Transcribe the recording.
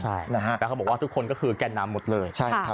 ใช่แล้วเขาบอกว่าทุกคนก็คือแก่นำหมดเลย